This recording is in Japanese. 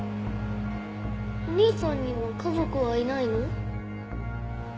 お兄さんには家族はいないの？